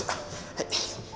はい。